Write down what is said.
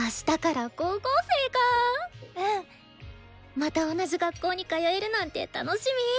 また同じ学校に通えるなんて楽しみ。